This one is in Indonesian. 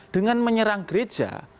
dengan menyerang gereja